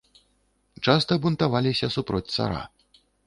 Часта бунтаваліся супроць цара.